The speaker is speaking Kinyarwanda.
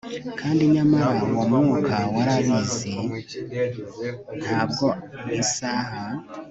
Kandi nyamara uwo mwuka wari ubizi ntabwo mu isaha